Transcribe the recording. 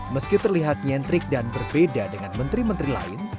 meski terlihat nyentrik dan berbeda dengan menteri menteri lain